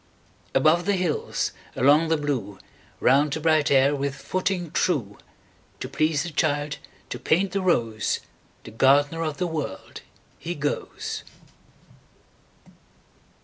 Above the hills, along the blue, Round the bright air with footing true, To please the child, to paint the rose, The gardener of the World, he goes.